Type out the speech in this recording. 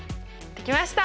できました！